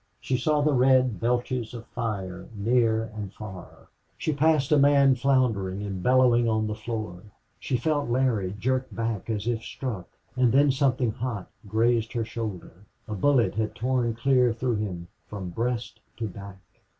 She saw the red belches of fire near and far; she passed a man floundering and bellowing on the floor; she felt Larry jerk back as if struck, and then something hot grazed her shoulder. A bullet had torn clear through him, from breast to back.